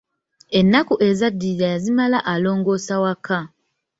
Ennaku ezaddirira yazimala alongoosa waka.